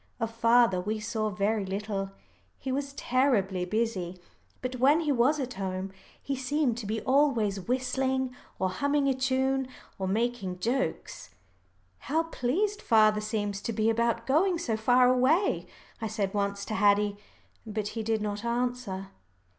Of father we saw very little he was terribly busy. But when he was at home, he seemed to be always whistling, or humming a tune, or making jokes. "How pleased father seems to be about going so far away," I said once to Haddie. But he did not answer.